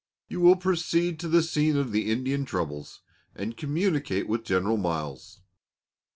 You will proceed to the scene of the Indian troubles, and communicate with General Miles.